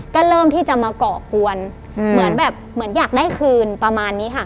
ก็เริ่มที่จะมาก่อกวนเหมือนแบบเหมือนอยากได้คืนประมาณนี้ค่ะ